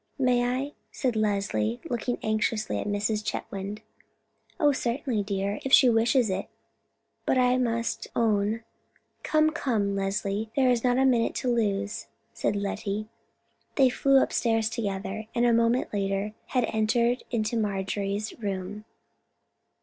"May I?" said Leslie, looking anxiously at Mrs. Chetwynd. "Oh, certainly, dear, if she wishes it; but I must own——" "Come, come, Leslie, there is not a minute to lose," said Lettie. They flew upstairs together, and a moment later had entered Marjorie's room.